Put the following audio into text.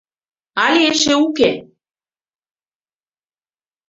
— Але эше уке.